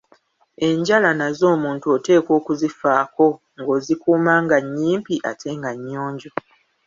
Enjala nazo omuntu oteekwa okuzifaako nga ozikuuma nga nnyimpi ate nga nnyonjo.